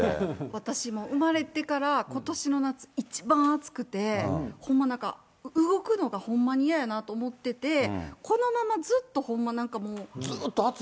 私も生まれてから、ことしの夏、一番暑くて、ほんまなんか、動くのがほんまにいややなと思ってて、このままずっとほんま